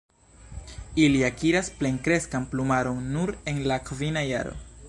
Ili akiras plenkreskan plumaron nur en la kvina jaro.